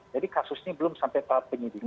jadi kasus ini belum sampai tahap penyelidikan